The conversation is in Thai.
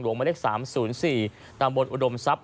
หลวงเมล็ด๓๐๔ตำรวจอุดมทรัพย์